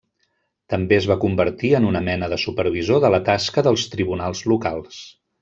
També es va convertir en una mena de supervisor de la tasca dels tribunals locals.